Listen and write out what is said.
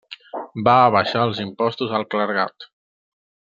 Va abaixar els impostos al clergat.